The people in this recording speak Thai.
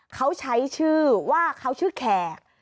เขาใช้ชื่อว่าเขาชื่อแขก